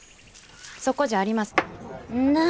そこじゃありません。